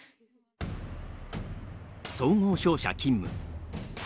総合商社勤務。